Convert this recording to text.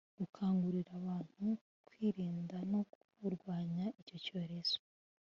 gukangurira abantu kwirinda no kurwanya icyo cyorezo